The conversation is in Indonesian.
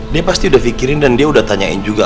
dia pasti udah pikirin dan dia udah tanyain juga